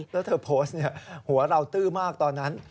แล้วเธอโพสต์หัวเราตื้อมากตอนนั้น